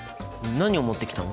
何を持ってきたの？